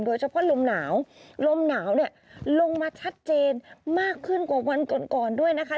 โดยเฉพาะลมหนาวลมหนาวเนี่ยลงมาชัดเจนมากขึ้นกว่าวันก่อนก่อนด้วยนะคะ